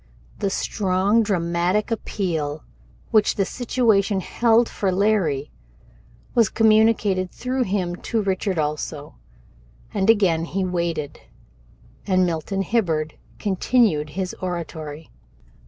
The strong dramatic appeal which the situation held for Larry was communicated through him to Richard also, and again he waited, and Milton Hibbard continued his oratory.